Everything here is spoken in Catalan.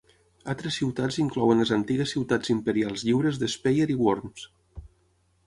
Altres ciutats inclouen les antigues ciutats imperials lliures d"Speyer i Worms.